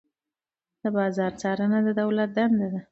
د بازار څارنه د دولت دنده ده.